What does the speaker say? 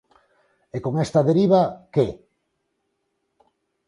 E con esta deriva, ¿que?